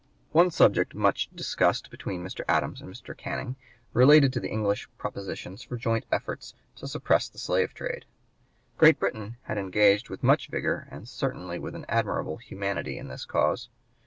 One subject much discussed between Mr. Adams and Mr. Canning related to the English propositions for joint efforts to suppress the slave trade. Great Britain had engaged with much vigor and certainly with an admirable humanity in this cause.